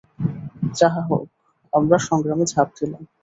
যাহা হউক আমরা সংগ্রামে ঝাঁপ দিলাম।